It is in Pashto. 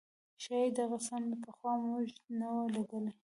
ښايي دغه څنډه پخوا موږ نه وه لیدلې.